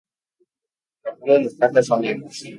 La cola y las patas son negras.